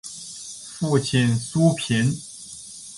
父亲苏玭。